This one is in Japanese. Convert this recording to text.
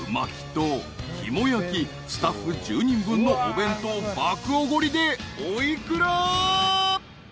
［スタッフ１０人分のお弁当爆おごりでお幾ら？］